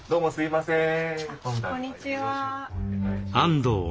こんにちは。